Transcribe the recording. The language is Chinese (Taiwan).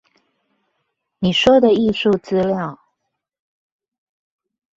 你說的藝術資料